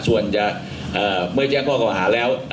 ส่วนเมื่อแจ้งก็จะต่ำกับความอาหารแล้ว